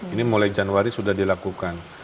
ini mulai januari sudah dilakukan